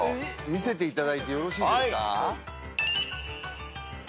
見せていただいてよろしいですか。